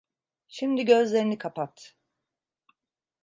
Şimdi gözlerini kapat.